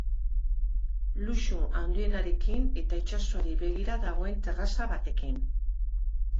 Luxu handienarekin eta itsasoari begira dagoen terraza batekin.